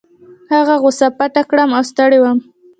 هغه غوسه پټه کړم او ستړی وم.